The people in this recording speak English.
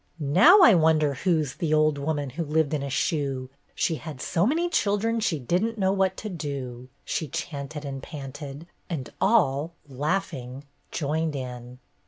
"Now I wonder who's The old woman who lived in a shoe, She had so many children she didn't know what to do !" she chanted and panted; and all, laughing, joined in.